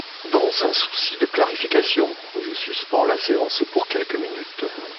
Dans un souci de clarification, je suspends la séance pour quelques minutes.